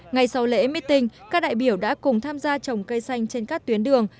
ngay sau lễ mít tinh các đại biểu đã cùng tham gia trồng cây xanh trên các tuyến đường